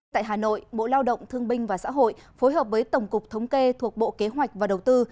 tại hà nội bộ lao động thương binh và xã hội phối hợp với tổng cục thống kê thuộc bộ kế hoạch và đầu tư